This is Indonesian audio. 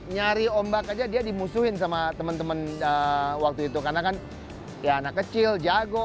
nyari ombak aja dia dimusuhin sama teman teman waktu itu karena kan ya anak kecil jago